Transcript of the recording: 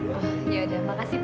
oh ya udah makasih